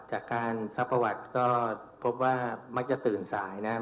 จากการทรัพยาบาลจะมักมักจะตื่นสายนะครับ